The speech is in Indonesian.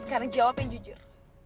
sekarang jawab yang jujur